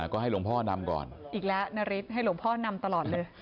ก็ให้หลวงพ่อนำก่อนอีกแล้วนาริสให้หลวงพ่อนำตลอดเลย